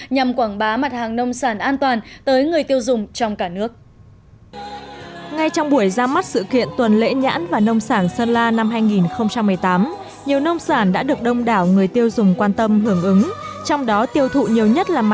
nhằm quảng bá mặt hàng nông sản an toàn tới người tiêu dùng trong cả nước